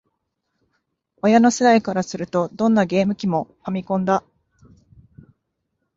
親の世代からすると、どんなゲーム機も「ファミコン」だ